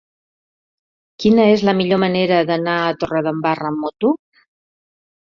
Quina és la millor manera d'anar a Torredembarra amb moto?